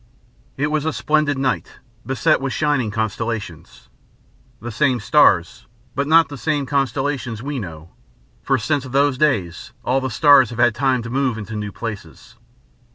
It was a splendid night, beset with shining constellations, the same stars, but not the same constellations we know, for since those days all the stars have had time to move into new places.